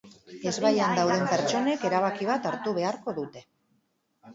Ezbaian dauden pertsonek erabaki bat hartu beharko dute.